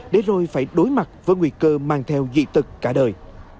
để rồi phải đối mặt với nguy cơ mang theo dị tật cả đời